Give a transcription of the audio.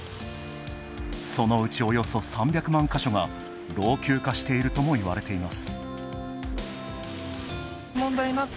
そのうち、およそ３００万か所が老朽化しているともいわれています。